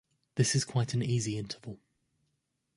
This is quite an easy interval.